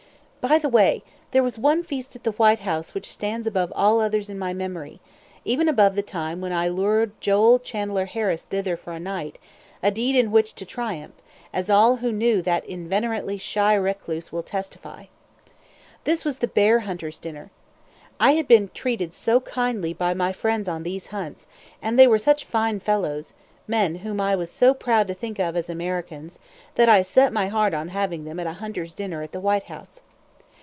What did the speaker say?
By the way, there was one feast at the White House which stands above all others in my memory even above the time when I lured Joel Chandler Harris thither for a night, a deed in which to triumph, as all who knew that inveterately shy recluse will testify. This was "the bear hunters' dinner." I had been treated so kindly by my friends on these hunts, and they were such fine fellows, men whom I was so proud to think of as Americans, that I set my heart on having them at a hunters' dinner at the White House.